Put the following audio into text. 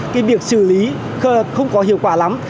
cái việc xử lý không có hiệu quả lắm